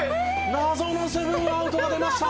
「謎の７アウトが出ました」